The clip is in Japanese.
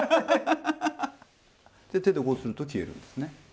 手でこうすると消えるんですね。